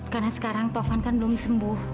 karena sekarang taufan kan belum sembuh